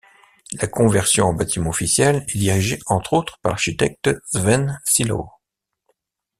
La conversion en bâtiment officiel est dirigée entre autres par l'architecte Sven Silow.